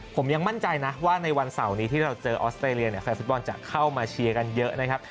ผมยังมั่นใจนะว่าในวันเสาร์นี้ที่เราเจอออสเตรเลียเนี่ยแฟนฟุตบอลจะเข้ามาเชียร์กันเยอะนะครับ